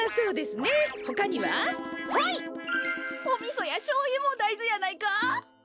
おみそやしょうゆもだいずやないか？